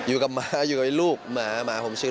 อู้ยยหล่อจังเลย